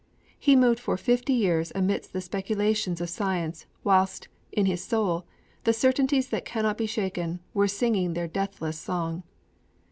He moved for fifty years amidst the speculations of science whilst, in his soul, the certainties that cannot be shaken were singing their deathless song.